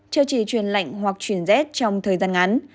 chưa chỉ chuyển lạnh hoặc chuyển rét trong thời gian ngắn